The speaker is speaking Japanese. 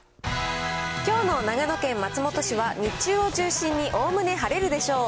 きょうの長野県松本市は、日中を中心におおむね晴れるでしょう。